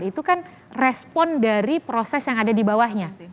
itu kan respon dari proses yang ada di bawahnya